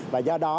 và do đó